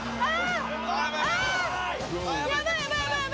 ああ！